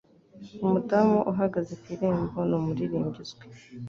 Umudamu uhagaze ku irembo ni umuririmbyi uzwi.